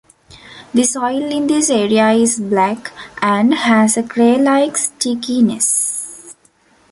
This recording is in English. The soil in this area is black and has a clay-like stickiness.